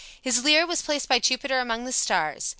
His lyre was placed by Jupiter among the stars.